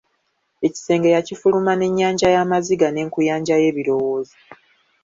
Ekisenge yakifuluma n’ennyanja y’amaziga, n’enkuyanja y’ebirowoozo.